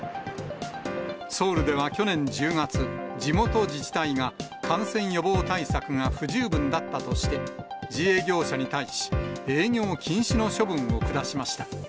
ソウルでは去年１０月、地元自治体が、感染予防対策が不十分だったとして、自営業者に対し、営業禁止の処分を下しました。